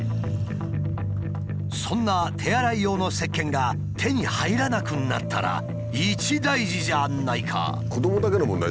そんな手洗い用のせっけんが手に入らなくなったら一大事じゃないか。